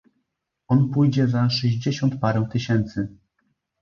"On pójdzie za sześćdziesiąt parę tysięcy."